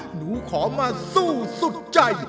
หนูขอมาสู้สุดใจ